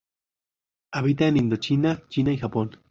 Habita en Indochina, China y Japón.